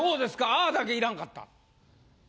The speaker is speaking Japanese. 「嗚呼」だけいらんかった。